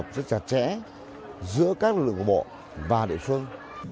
phối hợp rất chặt chẽ giữa các lượng bộ và địa phương